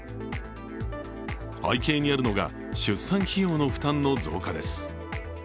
背景にあるのが出産費用の負担の増加です。